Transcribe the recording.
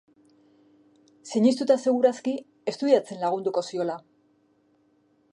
Sinistuta seguruaski, estudiatzen lagunduko ziola.